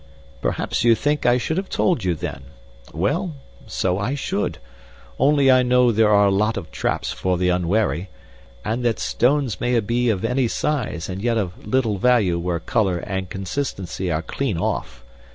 "Perhaps you think I should have told you then. Well, so I should, only I know there are a lot of traps for the unwary, and that stones may be of any size and yet of little value where color and consistency are clean off.